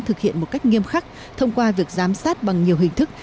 thực hiện một cách nghiêm khắc thông qua việc giám sát bằng nhiều hình thức